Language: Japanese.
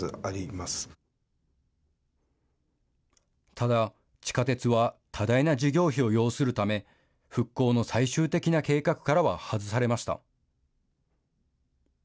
ただ、地下鉄は多大な事業費を要するため、復興の最終的な計画からは外されました。